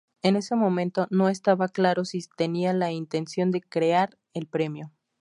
En ese momento, no estaba claro si tenía la intención de crear el premio.